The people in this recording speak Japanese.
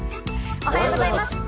おはようございます。